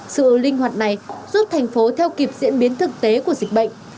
sự linh hoạt này giúp thành phố theo kịp diễn biến thực tế của dịch bệnh